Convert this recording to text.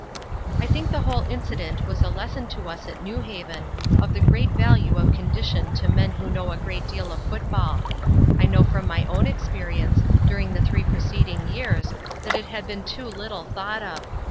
"I think the whole incident was a lesson to us at New Haven of the great value of condition to men who know a great deal of football. I know from my own experience during the three preceding years that it had been too little thought of.